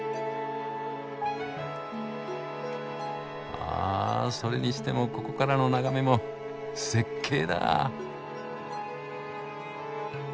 あそれにしてもここからの眺めも絶景だ。